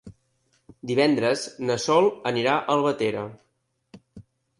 Divendres na Sol anirà a Albatera.